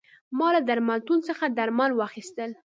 ما له درملتون څخه درمل واخیستل.